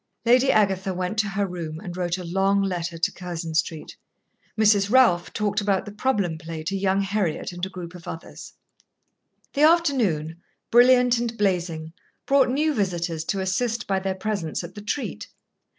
Lady Agatha went to her room and wrote a long letter to Curzon Street. Mrs. Ralph talked about the problem play to young Heriot and a group of others. The afternoon, brilliant and blazing, brought new visitors to assist by their presence at the treat.